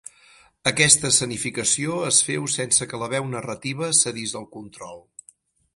Aquesta escenificació es feu sense que la veu narrativa cedís el control.